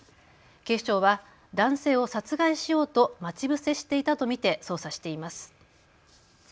警視庁は男性を殺害しようと待ち伏せしていたと見て捜査しています。